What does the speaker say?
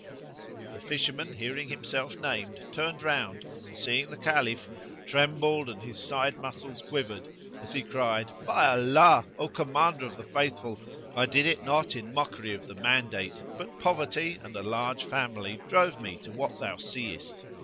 The fisherman, hearing himself named, turned round, and seeing the Caliph, trembled and his side muscles quivered, as he cried, "By Allah, O Commander of the Faithful, I did it not in mockery of the mandate; but poverty and a large family drove me to what thou seest!"